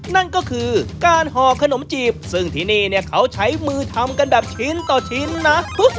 นั่นก็คือการห่อขนมจีบซึ่งที่นี่เนี่ยเขาใช้มือทำกันแบบชิ้นต่อชิ้นนะ